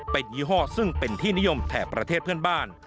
เป็นยี่ห้อซึ่งเป็นที่นิยมแถบประเทศเพื่อนบ้าน